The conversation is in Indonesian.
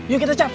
yuk kita cap